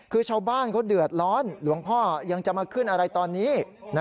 คือชาวบ้านเขาเดือดร้อนหลวงพ่อยังจะมาขึ้นอะไรตอนนี้